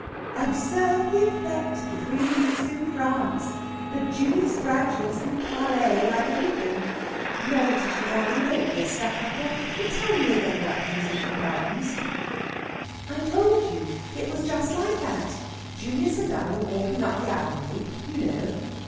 "Observe the effect of three weeks in France. The Julius Bradshaws can parlay like anything! No, Tishy darling, don't be a stuck upper, but tell me again about Kensington Gardens." "I told you. It was just like that. Julius and I were walking up the avenue you know...."